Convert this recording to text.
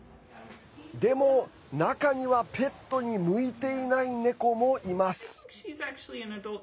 でも、中にはペットに向いていないネコもいます。